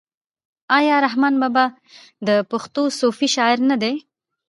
آیا رحمان بابا د پښتو صوفي شاعر نه دی؟